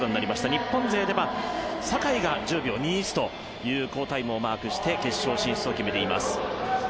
日本勢では坂井が１０秒２１という好タイムを記録して決勝進出を決めています。